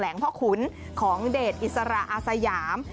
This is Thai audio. แหล่งพ่อขุนของเดทอิสราอาสยาม